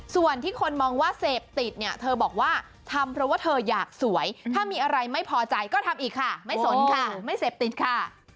ส่วนที่คนมองว่าเสพติดเนี่ยเธอบอกว่าทำเพราะว่าเธออยากสวยถ้ามีอะไรไม่พอใจก็ทำอีกค่ะไม่สนค่ะไม่เสพติดค่ะ